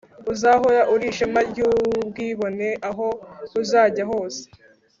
Uzahora uri ishema ryubwibone aho uzajya hose